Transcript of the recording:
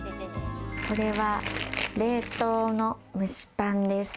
これは冷凍の蒸しパンです。